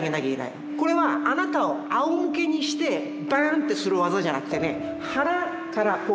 これはあなたをあおむけにして「バーン！」ってする技じゃなくてね腹からこう。